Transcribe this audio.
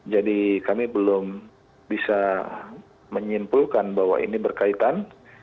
jadi kami belum bisa menyimpulkan bahwa ini berkaitan